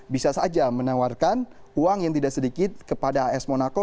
bisa saja menawarkan uang yang tidak sedikit kepada as monaco